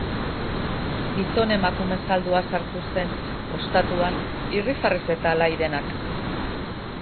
Gizon-emakume saldoa sartu zen ostatuan, irribarrez eta alai denak.